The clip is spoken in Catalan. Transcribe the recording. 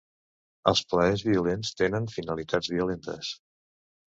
Els plaers violents tenen finalitats violentes